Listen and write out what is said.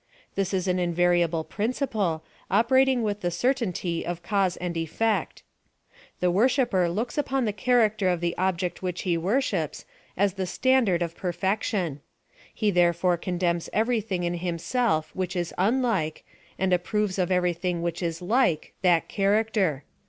This is an invariable princi ple, operating with the certainty of cause and effect. The worshipper looks upon the character of the object which he worships as the standard of per fection. He therefore condemns every thing in himself which is unlike, and approves of every thing which is like that character.